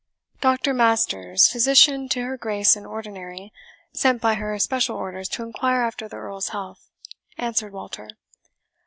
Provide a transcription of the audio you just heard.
"Doctor Masters, physician to her Grace in ordinary, sent by her especial orders to inquire after the Earl's health," answered Walter.